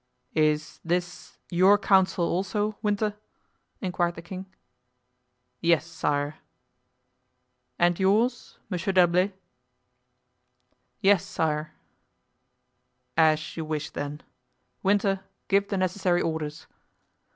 "Is this your counsel also, Winter?" inquired the king. "Yes, sire." "And yours, Monsieur d'Herblay?" "Yes, sire." "As you wish, then. Winter, give the necessary orders."